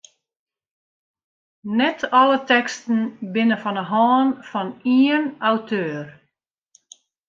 Net alle teksten binne fan de hân fan ien auteur.